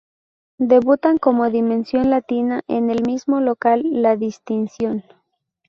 Debutan como Dimensión Latina en el mismo local La Distinción.